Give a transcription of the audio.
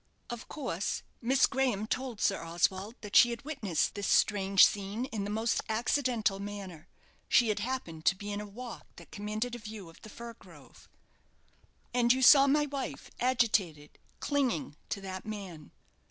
Of course, Miss Graham told Sir Oswald that she had witnessed this strange scene in the most accidental manner. She had happened to be in a walk that commanded a view of the fir grove. "And you saw my wife agitated, clinging to that man?"